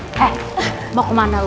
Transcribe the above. eh mau kemana lo